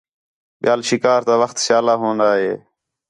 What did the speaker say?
ٻِیال شِکار تا وخت سیالہ ہونا ہے